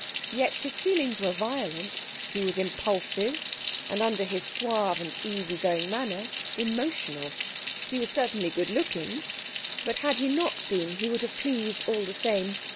Yet his feelings were violent; he was impulsive, and under his suave and easy going manner emotional. He was certainly good looking, but had he not been he would have pleased all the same.